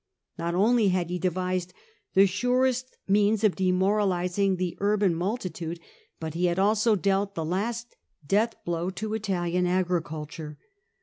'^'ot only had he devised t he surest means of demoralisi ng he u rba n multitud e, but he also Aealt the last death blow o Italian agriculture.